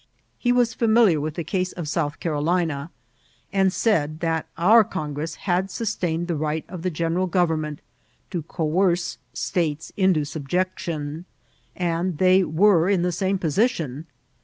He was £uniliar with the case of South Carolina, and said that oar Congress had sustained the right of the general govermnent to coerce states mto subjection, and they were in the same positioii.